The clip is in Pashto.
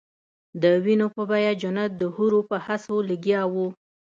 د وینو په بیه جنت د حورو په هڅو لګیا وو.